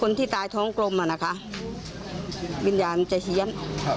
คนที่ตายท้องกลมอะนะคะวิญญาณจะเชียญ